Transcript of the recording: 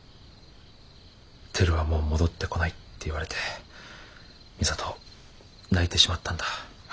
テルはもう戻ってこないって言われて美里泣いてしまったんだ。